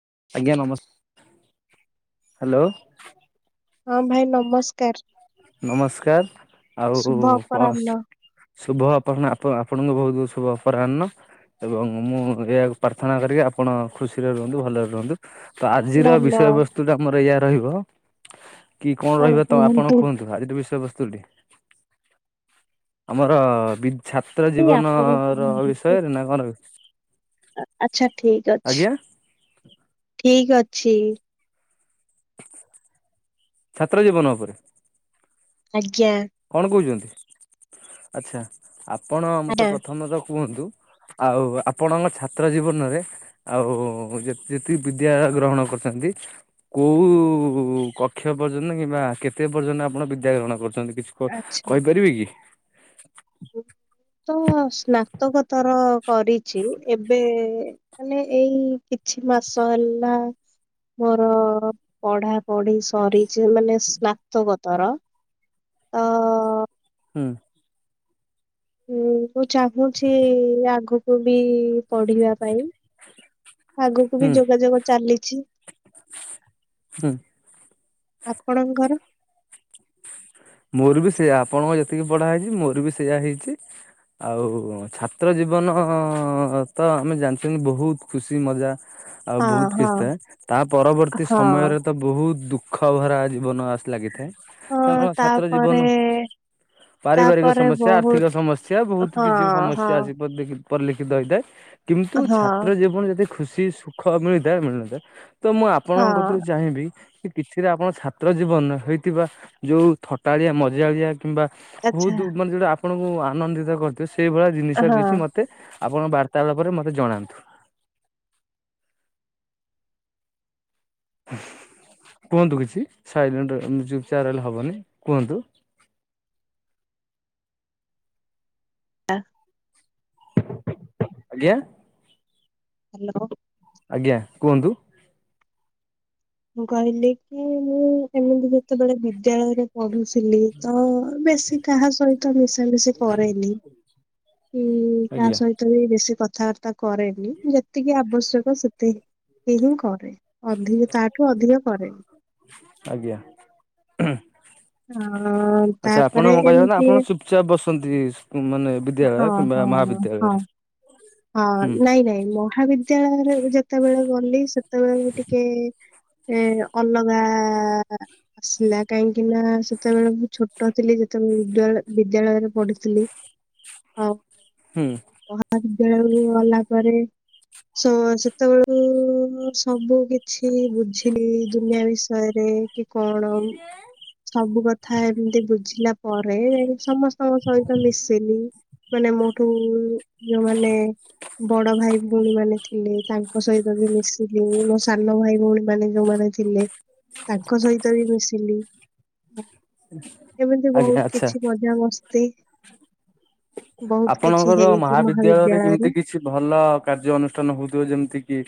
ଆଜ୍ଞା ନମସ୍କାର ହ୍ୟାଲୋ। ହଁ ଭାଇ ନମସ୍କାର। ନମସ୍କାର ଆଉ ଶୁଭ କଣ? ଅପରାହ୍ନ ଶୁଭ ଅପହ ଆପଣଙ୍କୁ ବହୁତ ଶୁଭ ଅପରାହ୍ନ। ଏବଂ ମୁଁ ଏହାୟକୁ ପ୍ରାର୍ଥନା କରିକି ଆପଣ ଖୁସିରେ ରୁହନ୍ତୁ ଭଲରେ ରୁହନ୍ତୁ। ତ ଆଜିର ବିଷୟ ଧନ୍ୟବାଦ ବସ୍ତୁ ଟା ଆମର ଏଇଆ ରହିବ କି କଣ ରହିବ ତ ଆପଣ କୁହନ୍ତୁ ଆଜିର ବିଷୟ ବସ୍ତୁଟି ଆମର ବି ଛାତ୍ର କି ଜୀବନ ଆପଣ ର କୁହନ୍ତୁ ବିଷୟରେ ନା କଣ? ଆଚ୍ଛା ଠିକ ଅଛି ଆଜ୍ଞା ଠିକ ଅଛି। ଛାତ୍ର ଜୀବନ ଉପରେ? ଆଜ୍ଞା କଣ କହୁଛନ୍ତି ଆଚ୍ଛା ଆପଣ ମତେ ଆଜ୍ଞା। ପ୍ରଥମ ତ କୁହନ୍ତୁ ଆଉ ଆପଣଙ୍କ ଛାତ୍ର ଜୀବନରେ ଆଉ ଯେତିକି ବିଦ୍ୟା ଗ୍ରହଣ କରିଛନ୍ତି କୋଉ କକ୍ଷ ପର୍ଯ୍ୟନ୍ତ କିମ୍ବା କେତେ ପର୍ଯ୍ୟନ୍ତ ଆପଣ ବିଦ୍ୟା ଗ୍ରହଣ କରୁଛନ୍ତି? କିଛି କହିପାରିବେ କି? ହୁଁ ତ ସ୍ନାତକ ତର କରିଛି ଏବେ ମାନେ ଏଇ କିଛି ମାସ ହେଲା ମୋର ପଢା ପଢି ସରି ଯେଉଁ ମାନେ ସ୍ନାତକତର ତ ହୁଁ। ହୁଁ ମୁଁ ଚାହୁଁଛି ଆଗକୁ ବି ପଢିବା ପାଇଁ ଆଗକୁ ହୁଁ ବି ଯୋଗାଯୋଗ ଚାଲିଛି। ହୁଁ। ଆପଣଙ୍କର? ମୋର ବି ସେଇୟା ଆପଣଙ୍କ ଯେତିକି ପଢା ହେଇଛି ମୋର ବି ସେଇୟା ହେଇଛି। ଆଉ ଛାତ୍ର ଜୀବନ ତ ଆମେ ଜାଣିଚନ୍ତି ବହୁତ ଖୁସି ମଜା ଆଉ ହଁ ବହୁତ ହଁ କିଛି ଥାଏ ତା ପରବର୍ତ୍ତୀ ହଁ ସମୟରେ ତ ବହୁତ ଦୁଃ ଖ ଭରା ଜୀବନ ଆସ ଲାଗିଥାଏ ସାଙ୍ଗ ସା ପରେ ପାରିବାରିକ ସମସ୍ୟା ଆର୍ଥିକ ସମସ୍ୟା ବହୁତ ହଁ କିଛି ହଁ ସମସ୍ୟା ଆସି ଦେ ପରିଲିଖିତ ହେଇଥାଏ କିନ୍ତୁ ହଁ ଛାତ୍ର ଜୀବନ ଯଦି ଖୁସି ସୁଖ ମିଳିଥାଏ ମିଳିନଥାଏ ତ ମୁଁ ଆପଣଙ୍କ କତିରୁ ହଁ ଚାହିଁବି କି କିଛିରେ ଆପଣ ଛାତ୍ର ଜୀବନରେ ହେଇଥିବା ଯୋଉ ଥଟାଳିଆ ମଜାଳିଆ କିମ୍ବା ଆଚ୍ଛା ବହୁତ ମାନେ ଯୋଉଟା ଆପଣଙ୍କୁ ଆନନ୍ଦିତ କରିଥିବ ସେଇଭଳିଆ ଜିନିଷ ହଁ। କିଛି ମୋତେ ଆପଣ ବାର୍ତ୍ତାଳପରେ ମତେ ଜଣାନ୍ତୁ। କୁହନ୍ତୁ କିଛି ସାଇଲେଣ୍ଟ ଚୁପ୍ ଚାପ୍ ରହିଲେ ହବନି କୁହନ୍ତୁ? ଟା ଆଜ୍ଞା। ହ୍ୟାଲୋ। ଆଜ୍ଞା! କୁହନ୍ତୁ? ମୁଁ କହିଲି କି ମୁଁ ଏମିତି ଯେତେବେଳେ ବିଦ୍ୟାଳୟରେ ପଢୁଚି ଥିଲି ତ ବେଶୀ କାହା ସହିତ ମିଶି ହେଲେ ସେ କରେନି, କି କାହା ଆଜ୍ଞା ସହିତ ବି ବେଶୀ କଥାବାର୍ତ୍ତା କରେନି ଯେତିକି ଆବଶ୍ୟକ ସେତିକି ହିଁ କରେ, ଅଧିକ ତା ଆଜ୍ଞା। ଅ ଆଚ୍ଛା ଆପଣ ତାପରେ କହିବା ନା ଏମିତି ଆପଣ ଚୁପଚାପ ବସନ୍ତି, ମାନେ ହଁ ବିଦ୍ୟାଳୟ କିମ୍ବା ମା ହଁ ବିଦ୍ୟାଳୟ ହଁ ରେ ହଁ ନାଇଁ ନାଇଁ ମହାବିଦ୍ୟାଳୟ ଯେତେବେଳେ ଗଲି ସେତେବେଳେ ଟିକେ ଏ ଅଲଗା ଆସିଲା କାହିଁକି ନା ସେତେବେଳେ ମୁ ଛୋଟ ଥିଲି ଯେ ତ ବିଦଳୟ ବିଦ୍ୟାଳୟରେ ପଢିଥିଲି, ଆ ହୁଁ। ଖେଳୁ ଗଲା ପରେ ସେ ସେତେବେଳୁ ମୁଁ ସବୁ କିଛି ବୁଝିଲି ଦୁନିଆ ବିଷୟରେ। କି କଣ ସବୁ କଥା ଏମିତି ବୁଝିଲା ପରେ ସମସ୍ତଙ୍କ ସହିତ ମିଶିଲି ମାନେ ମୋଠୁ ଯଉମାନେ ମାନେ ବଡ ଭାଇ ଭଉଣୀ ମାନେ ଥିଲେ ତାଙ୍କ ସହିତ ବି ମିଶିଲି, ମୋ ସାନ ଭାଇ ଭଉଣୀ ମାନେ ଯୋଉମାନେ ଥିଲେ ତାଙ୍କ ସହିତ ବି ମିଶିଲି। ଏମିତି ଆଜ୍ଞା ବୋହୁତ ଆଚ୍ଛା। କିଛି ମଜା ମସ୍ତି। ବୋହୁତ କିଛି ହେଇଛି ମହାବିଦ ଯେ କେମିତି କିଛି ଭଲ କାର୍ଯ୍ୟ ଅନୁଷ୍ଠାନ ହୋଉଉଥିବ ଯେମିତି କି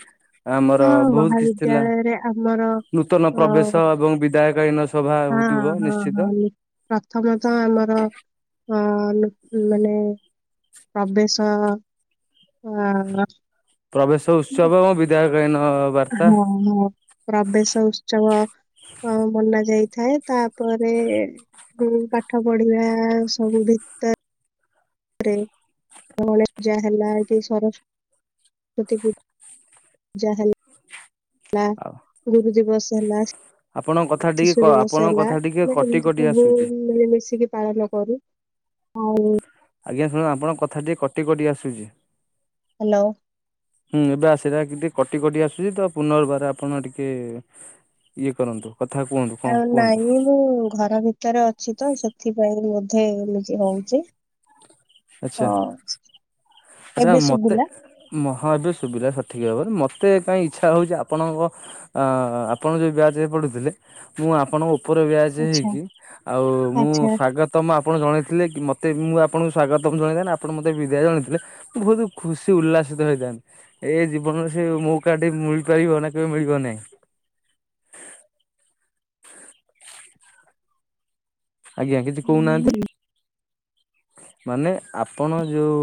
ଆମର ହଁ ବୋହୁତ କିଛି ଥିଲା ମହାବିଦ୍ୟାଳୟରେ ଆମର ନୂତନ ଅ ପ୍ରବେଶ ଏବଂ ବିଧାୟକାଳୀନ ହଇନ ସଭା ହଁ ଯିବ ହଁ ହଁ ନିଶ୍ଚିତ। ନୁ- ପ୍ରଥମତଃ ଆମର ଅ ମାନେ ପ୍ରବେଶ ଆ ପ୍ରବେଶ ଉତ୍ସବ ଏବଂ ବିଦାୟକାଳୀନ ବାର୍ତ୍ତା ହଁ ହଁ ପ୍ରଭେଶ ଉତ୍ସବ ଅ, ହଁ। ମନା ଯାଇଥାଏ ତାପରେ ହୁଁ ପାଠ ପଢିବା ସ ଭିତ ରେ ପୂଜା ହେଲା ଏଠି ସରସ୍ଵତୀ ପୁ ଯାହା ହେଲା ଆଉ ଗୁରୁ ଦିବସ ହେଲା। ଆପଣଙ୍କ କଥା ଟିକେ କ ଶିଶୁ ଦିବସ ଆପଣଙ୍କ ହେଲା କଥା ଟିକେ ଆମେ କଟି ଏମିତି କଟି ସବୁ ଆସୁଛି। ମିଳିମିଶିକି ପାଳନ କରୁ। ହଉ। ଆଜ୍ଞା ଶୁଣନ୍ତୁ ଆପଣଙ୍କ କଥା ଟିକେ କଟି କଟି ଆସୁଚି। ହ୍ୟାଲୋ। ହୁଁ ଏବେ ଆସିଲା, କି ଟିକେ କଟି କଟି ଆସୁଚୁ ତ ପୁନର୍ବାର ଆପଣ ଟିକେ ଇଏ କରନ୍ତୁ। କଥା କୁହନ୍ତୁ କଣ ଆଉ କୁହନ୍ତୁ ନାଇଁ ମୁଁ ଘର ଭିତରେ ଅଛି, ତ ସେଥିପାଇଁ ବୋ ହେଇ ଏମିତି ହଉଚି ଆଚ୍ଛା ହଁ। ଆଚ୍ଛା ଏବେ ମତେ ଶୁଭିଲା ମହା ଏବେ ସୁ ପୂଜା ସଠିକ୍ ଭାବରେ ମୋତେ କାହିଁ ଇଚ୍ଛା ହେଉଛି ଆପଣଙ୍କ ଆପଣ ଯେଉଁ ବ୍ୟାଚରେ ପଡ଼ୁଥିଲେ ମୁଁ ଆପଣଙ୍କୁ ଉପର ବ୍ୟାଚ ଆଚ୍ଛା ହେଇକି ଆଉ ମୁଁ ଆଚ୍ଛା ସ୍ଵାଗତମ ଆପଣ ଜଣେଇଥିଲେ କି ମତେ ମୁଁ ଆ ଆପଣଙ୍କୁ ସାଗତମ ଜଣେଇ ଥିଲି ନା ଆପଣ ମତେ ବିଦାୟ ଜଣାଇଥିଲେ ବହୁତ ଖୁସି ଉଲ୍ଲାସିତ ହେଇଥାଏ ଏ ଜୀବନରେ ସେ ମୌକା ଟି ମିଳିପାରିବ ନା କେବେ ମିଳିବ ନାହିଁ ହଁ ଆଜ୍ଞା କିଛି କହୁନାହାନ୍ତି ହଁ ମାନେ ଆପଣ ଯେଉଁ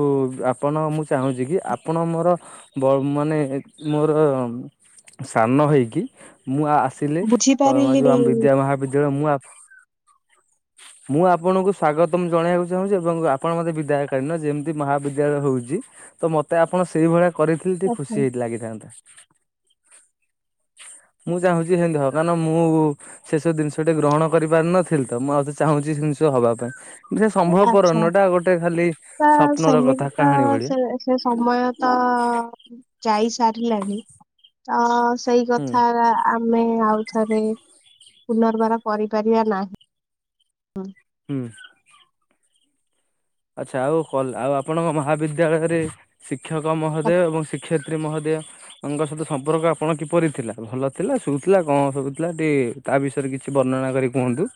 ଆପଣ ମୁଁ ଚାହୁଁଛି କି ଆପଣ ମୋର ବ ମାନେ ମୋର ସାନ ହେଇକି ମୁଁ ଆସିଲେ କ ଯୋଉ ବୁଝିପାରିଲିନି ଆମ ବିଦ୍ୟା ମହାପି ମୁଁ [inaudible] ମୁଁ ଆପଣଙ୍କୁ ସ୍ଵାଗତମ ଜଣେଇବାକୁ ଚାହୁଁଛି ଏବଂ ଆପଣ ମତେ ବିଦାୟକାଳୀନ ଯେମିତି ମହାବିଦ୍ୟାଳୟ ହୋଉଛି ତ ମତେ ଆପଣ ସେଇଭଳିଆ କରିଥିଲି ଟି ଖୁସି ଆଚ୍ଛା ହେଇି ଲାଗିଥାନ୍ତା। ମୁଁ ଚାହୁଁଛି ସେମିତି ହୋଉ କାରଣ ମୁଁ ସେସବୁ ଜିନିଷ ଟେ ଗ୍ରହଣ କରିପାରିନଥିଲି ତ ମୁଁ ଆଉ ତ ଚାହୁଁଛି ହବା ପାଇଁ। ସେ ସମ୍ଭବପର ଆଚ୍ଛା ନଏଟା ଗୋଟେ ଖାଲି ତା ସ୍ୱପ୍ନର ସେମିତି କଥା କାହାଣୀ ଭଳିଆ। ହଁ ଯାଇ ସାରିଲାଣି ତ ସେଇ ହୁଁ କଥା ଆମେ ଆଉଥରେ ପୁନର୍ବାର କରିପାରିବା ନାହିଁ। ହୁଁ। ଆଚ୍ଛା ଆଉ ହଲ ଆଉ ଆପଣଙ୍କ ମହାବିଦ୍ୟାଳୟରେ ଶିକ୍ଷ ଶିକ୍ଷକ ମହୋଦୟ ଏବଂ ଶିକ୍ଷୟତ୍ରୀ ମହୋଦୟା। ଙ୍କ ସହିତ ସମ୍ପର୍କ ଆପଣ କିପରି ଥିଲା ଭଲ ଥିଲା ଶୁଭୁ ଥିଲା କଣ ଶୁଭୁଥିଲା ଟିକେ ତା ବିଷୟରେ କିଛି ବର୍ଣ୍ଣନା କରି କୁହନ୍ତୁ?